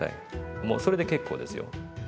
もうそれで結構ですよ。